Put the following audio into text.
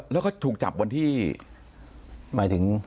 แล้วก็ถูกจับวันที่หมายถึง